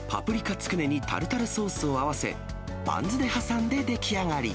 つくねにタルタルソースを合わせ、バンズで挟んで出来上がり。